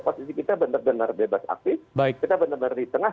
posisi kita benar benar bebas aktif kita benar benar di tengah